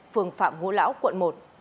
phường phạm hữu lão quận một